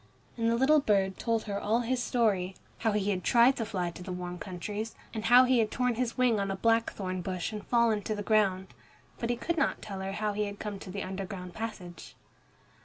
And the little bird told her all his story, how he had tried to fly to the warm countries, and how he had torn his wing on a blackthorn bush and fallen to the ground. But he could not tell her how he had come to the underground passage.